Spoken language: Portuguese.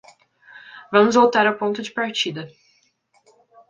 Vamos voltar ao ponto de partida.